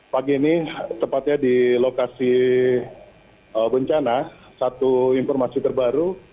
pagi ini tepatnya di lokasi bencana satu informasi terbaru